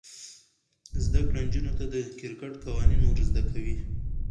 زده کړه نجونو ته د کرکټ قوانین ور زده کوي.